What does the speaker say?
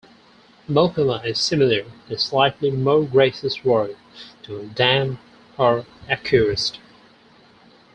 Mokoma is similar but slightly more gracious word to "damned" or "accursed".